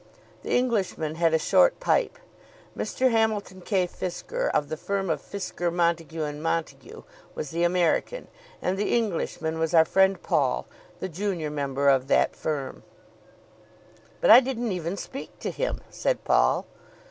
The Englishman had a short pipe. Mr. Hamilton K. Fisker, of the firm of Fisker, Montague, and Montague, was the American, and the Englishman was our friend Paul, the junior member of that firm. "But I didn't even speak to him," said Paul.